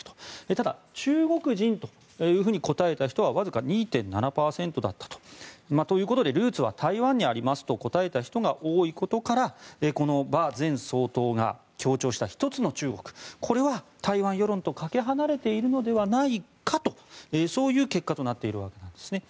ただ、中国人と答えた人はわずか２．７％だったと。ということで、ルーツは台湾にありますと答えた人が多いことから馬前総統が強調した一つの中国、これは台湾世論とかけ離れているのではないかそういう結果となっているわけなんですね。